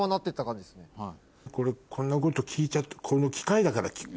こんなこと聞いちゃってこの機会だから聞く？